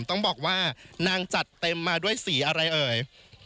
ต้องบอกว่านางจัดเต็มมาด้วยสีอะไรเอ่ย